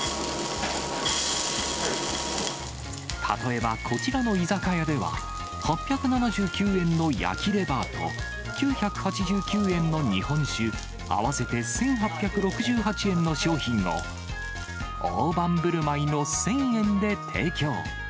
例えばこちらの居酒屋では、８７９円の焼きレバーと、９８９円の日本酒合わせて１８６８円の商品を、大盤ぶるまいの１０００円で提供。